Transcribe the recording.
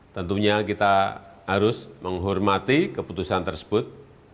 tentunya kita harus menghormati keputusan tersebut